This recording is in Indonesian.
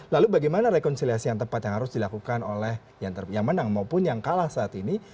lalu bagaimana rekonsiliasi yang tepat yang harus dilakukan oleh yang menang maupun yang kalah saat ini